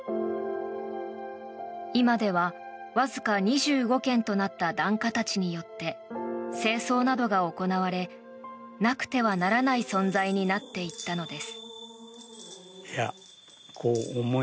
今ではわずか２５軒となった檀家たちによって清掃などが行われなくてはならない存在になっていったのです。